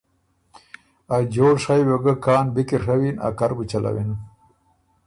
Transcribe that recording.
ا جوړ شئ بُو ګۀ کان بی کی ڒوّن، ا کر بُو چَلَوِن۔